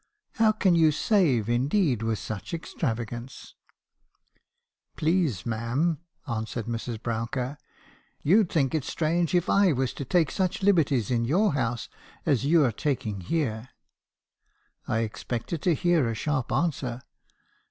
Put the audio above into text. How can you save, indeed , with such extravagance !'" 'Please, ma'am,' answered Mrs. Brouncker, 'you 'd think it strange, if I was to take such liberties in your house as you 're taking here.' "I expected to hear a sharp answer.